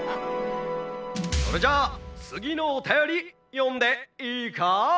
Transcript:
「それじゃあつぎのおたよりよんでいイカ？」。